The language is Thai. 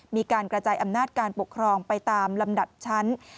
มีการกระจายอำนาจการปกครองไปตามลำดับชั้น